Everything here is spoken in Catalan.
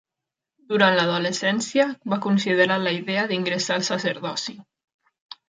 Durant l"adolescència, va considerar la idea d"ingressar al sacerdoci.